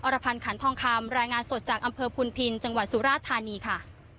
รพันธ์ขันทองคำรายงานสดจากอำเภอพุนพินจังหวัดสุราธานีค่ะ